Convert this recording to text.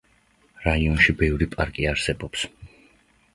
რაიონში ბევრი პარკი არსებობს.